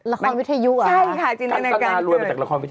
ละครวิทยุหรอคะจินตนาการเกิดใช่ค่ะจินตนาการเกิด